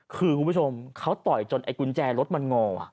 คือคุณผู้ชมเขาต่อยจนไอ้กุญแจรถมันงอ